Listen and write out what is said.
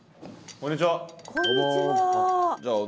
こんにちは。